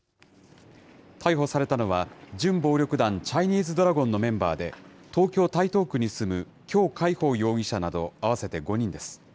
逮捕されたのは、準暴力団、チャイニーズドラゴンのメンバーで、東京・台東区に住む姜海鋒容疑者など、合わせて５人です。